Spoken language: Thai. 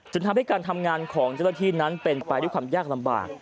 ทำให้การทำงานของเจ้าหน้าที่นั้นเป็นไปด้วยความยากลำบาก